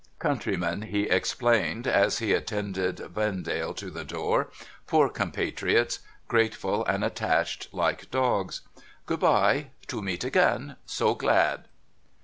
' Countrymen,' he explained, as ,he attended Vendale to the door. ' Poor compatriots. Grateful and attached, like dogs ! Good bye. To meet again. So glad